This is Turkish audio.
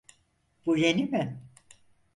Bu yeni mi?